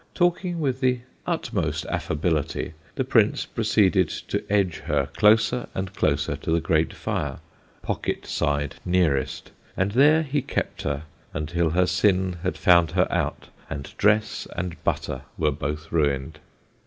Talking with the utmost affability, the Prince proceeded to edge her closer and closer to the great fire, pocket side nearest, and there he kept her until her sin had found her out and dress and butter were both ruined.